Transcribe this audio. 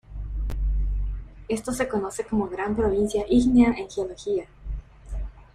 Esto se conoce como gran provincia ígnea en geología.